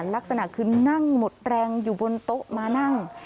ลักษณะคือนั่งหมดแรงอยู่บนโต๊ะมานั่ง